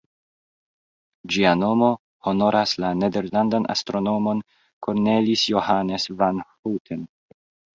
Ĝia nomo honoras la nederlandan astronomon Cornelis Johannes van Houten.